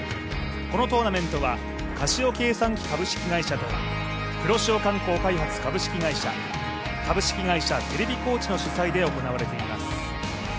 このトーナメントはカシオ計算機株式会社と黒潮観光開発株式会社株式会社テレビ高知の主催で行われています。